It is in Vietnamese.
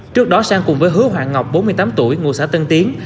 trước đó sang cùng với hứa hoàng ngọc bốn mươi tám tuổi ngụ xã tân tiến